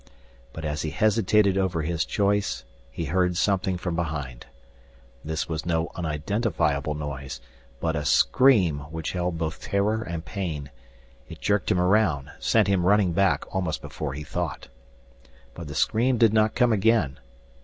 But as he hesitated over his choice, he heard something from behind. This was no unidentifiable noise, but a scream which held both terror and pain. It jerked him around, sent him running back almost before he thought. But the scream did not come again.